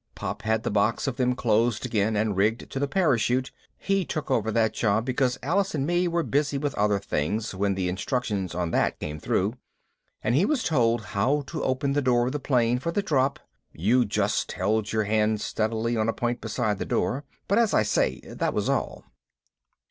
Pop had the box of them closed again and rigged to the parachute he took over that job because Alice and me were busy with other things when the instructions on that came through and he was told how to open the door of the plane for the drop (you just held your hand steadily on a point beside the door), but, as I say, that was all.